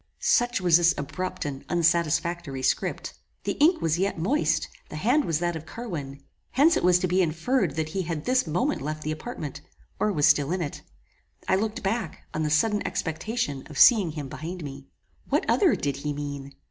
Such was this abrupt and unsatisfactory script. The ink was yet moist, the hand was that of Carwin. Hence it was to be inferred that he had this moment left the apartment, or was still in it. I looked back, on the sudden expectation of seeing him behind me. What other did he mean?